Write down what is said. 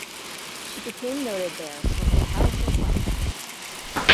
She became noted there for her powerful slapshot.